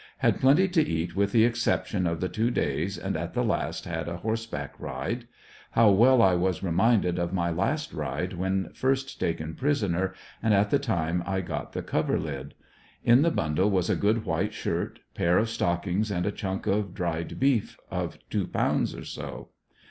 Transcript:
Had plenty to eat with the exception of the two days, and at the last had a horseback ride. How well I was reminded of my last ride when first taken prisoner and at the time I got the coverlid. In the bundle was a good white shirt, pair of stockings, and a chunk of dried beef of two pounds or so.